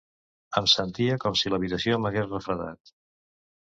Em sentia com si l'habitació m'hagués refredat.